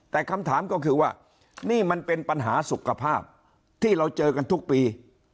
แต่คำถามก็คือว่านี่มันเป็นปัญหาสุขภาพที่เราเจอกันทุกปี